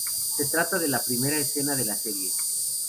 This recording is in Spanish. Se trata de la primera escena de la serie.